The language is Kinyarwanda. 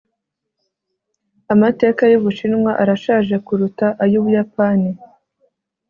amateka y'ubushinwa arashaje kuruta ay'ubuyapani